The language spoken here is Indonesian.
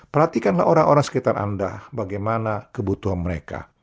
perhatikanlah orang orang sekitar anda bagaimana kebutuhan mereka